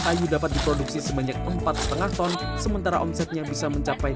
dalam sekali produksi pembuatan arang kayu ini membutuhkan waktu tujuh hari